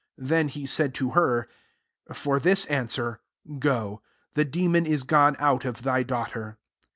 29 Then he said to her, " For this imswer, go : the demon is gone out of thy daugh ter."